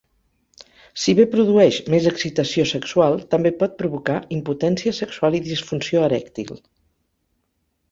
Si bé produeix més excitació sexual, també pot provocar impotència sexual i disfunció erèctil.